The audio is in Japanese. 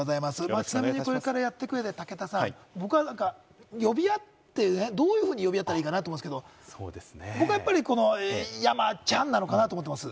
これからやっていく上で武田さん、どうやって呼び合ったらいいかな？って思うんですけど、僕はやっぱり山ちゃんなのかなと思っています。